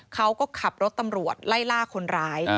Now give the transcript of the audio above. เขาก็ขับรถตำรวจไล่ล่าคนร้าย